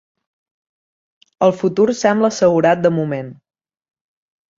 El futur sembla assegurat de moment.